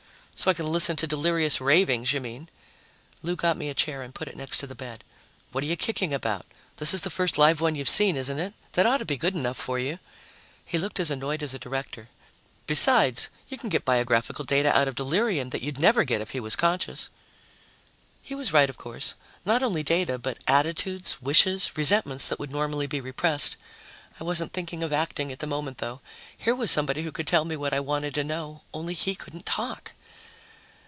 "So I can listen to delirious ravings, you mean." Lou got me a chair and put it next to the bed. "What are you kicking about? This is the first live one you've seen, isn't it? That ought to be good enough for you." He looked as annoyed as a director. "Besides, you can get biographical data out of delirium that you'd never get if he was conscious." He was right, of course. Not only data, but attitudes, wishes, resentments that would normally be repressed. I wasn't thinking of acting at the moment, though. Here was somebody who could tell me what I wanted to know ... only he couldn't talk.